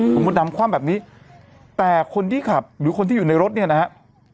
คุณมดดำคว่ำแบบนี้แต่คนที่ขับหรือคนที่อยู่ในรถเนี่ยนะครับ